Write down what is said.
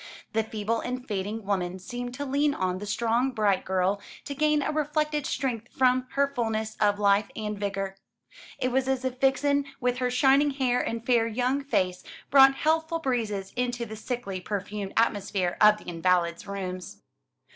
The feeble and fading woman seemed to lean on the strong bright girl, to gain a reflected strength from her fulness of life and vigour. It was as if Vixen, with her shining hair and fair young face, brought healthful breezes into the sickly perfumed atmosphere of the invalid's rooms.